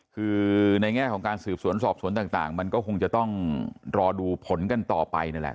คือในแง่ของการสืบสวนสอบสวนต่างมันก็คงจะต้องรอดูผลกันต่อไปนั่นแหละ